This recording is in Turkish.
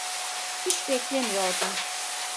Hiç beklemiyordum.